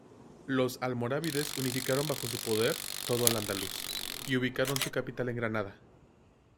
Los almorávides unificaron bajo su poder todo al-Ándalus y ubicaron su capital en Granada.